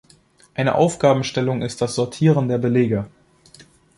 Eine Aufgabenstellung ist das Sortieren der Belege.